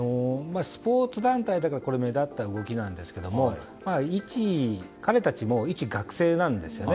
スポーツ団体だから目立った動きなんですが彼達も一学生なんですよね。